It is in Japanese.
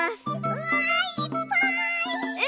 うわいっぱい！